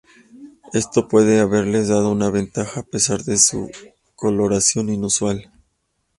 Esto puede haberles dado una ventaja a pesar de su coloración inusual.